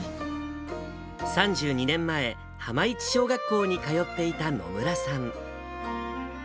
３２年前、浜市小学校に通っていた野村さん。